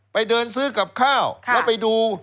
ไปเดินซื้อกับข้าวแล้วไปดู